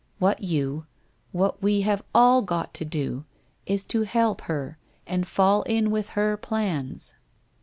What you, what we have all got to do, is to help her, and fall in with her plans.